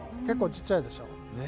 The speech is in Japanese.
結構ちっちゃいでしょ。